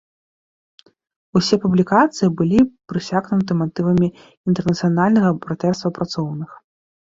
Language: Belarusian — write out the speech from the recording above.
Усе публікацыі былі прасякнуты матывамі інтэрнацыянальнага братэрства працоўных.